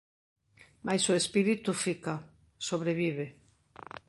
Mais o espírito fica, sobrevive.